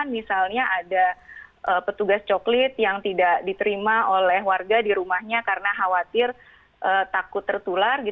atau misalnya ketika proses coklit kita juga dengar beberapa temuan misalnya ada petugas coklit yang tidak diterima oleh warga di rumahnya karena khawatir takut tertular